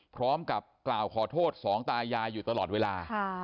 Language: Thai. พร้อมกับกล่าวขอโทษสองตายายอยู่ตลอดเวลา